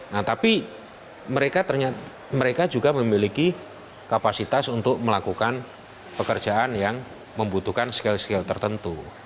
nah tapi mereka juga memiliki kapasitas untuk melakukan pekerjaan yang membutuhkan skill skill tertentu